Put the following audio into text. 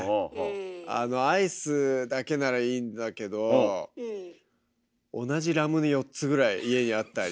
あのアイスだけならいいんだけど同じラムネ４つぐらい家にあったり。